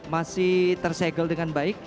masih tersegel dengan baik